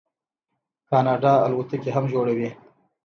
کاناډا الوتکې هم جوړوي.